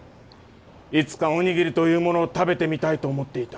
いつかお握りというものを食べてみたいと思っていた。